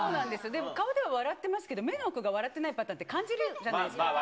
でも顔では笑ってますけど、目の奥が笑ってないパターンって感じるじゃないですか。